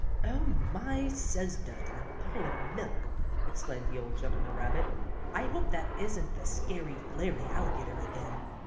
"Oh, my, suz dud and a bottle of milk!" exclaimed the old gentleman rabbit. "I hope that isn't the scary flary alligator again."